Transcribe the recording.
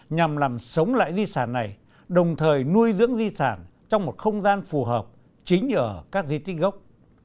nhằm làm sống lại di sản này đồng thời nuôi dưỡng di sản trong một không gian phù hợp chính ở các di tích gốc